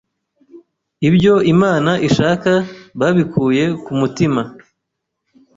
ibyo Imana ishaka babikuye ku mutima